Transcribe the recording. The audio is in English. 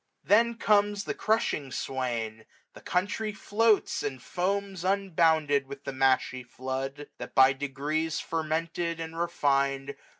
Then comes the crushing swain ; the country floats. And foams unbounded with the mashy flood ; That by degrees fermented, and refin'd.